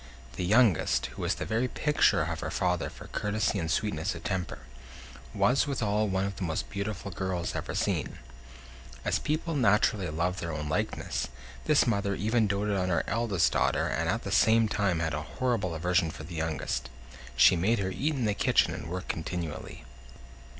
The youngest, who was the very picture of her father for courtesy and sweetness of temper, was withal one of the most beautiful girls ever seen. As people naturally love their own likeness, this mother even doted on her eldest daughter and at the same time had a horrible aversion for the youngest she made her eat in the kitchen and work continually.